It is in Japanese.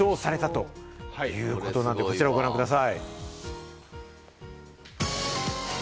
ということなんでこちらをご覧ください。